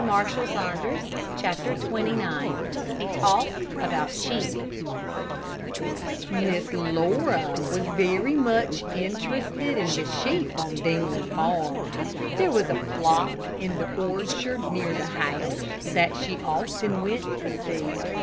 CHAPTER XXIX A TALK ABOUT SHEEP Miss Laura was very much interested in the sheep on Dingley Farm. There was a flock in the orchard near the house that she often went to see.